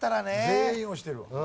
全員押してるわ。